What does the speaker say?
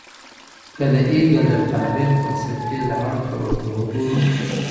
که د هيګل د تاريخ فلسفې له اړخه ورته وګورو